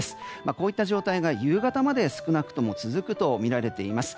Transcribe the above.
こういった状況が夕方まで少なくとも続くとみられています。